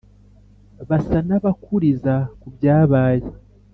basa n’abakuriza ku byabaye.